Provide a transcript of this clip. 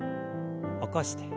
起こして。